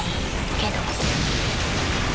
けど。